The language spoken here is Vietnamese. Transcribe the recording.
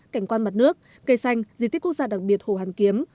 cảnh quan mặt nước cây xanh di tích quốc gia đặc biệt hồ hàn kiếm